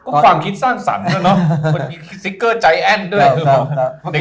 ความคิดสร้างสรรค์ด้วยเนอะสติ๊กเกอร์ใจแอ้นด้วย